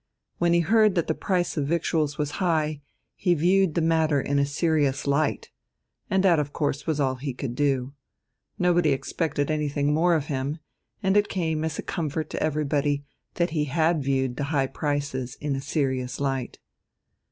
When he heard that the price of victuals was high, he "viewed the matter in a serious light," and that of course was all he could do. Nobody expected anything more of him, and it came as a comfort to everybody that he had viewed the high prices in a serious light.